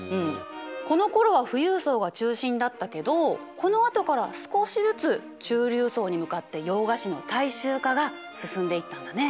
このころは富裕層が中心だったけどこのあとから少しずつ中流層に向かって洋菓子の大衆化が進んでいったんだね。